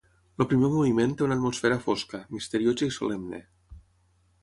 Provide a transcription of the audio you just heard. El primer moviment té una atmosfera fosca, misteriosa i solemne.